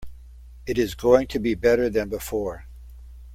It is going to be better than before.